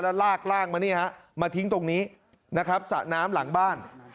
แล้วลากร่างมานี่ฮะมาทิ้งตรงนี้นะครับสระน้ำหลังบ้าน